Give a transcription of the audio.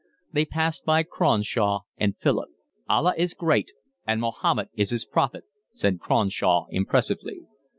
They passed by Cronshaw and Philip. "Allah is great, and Mahomet is his prophet," said Cronshaw impressively.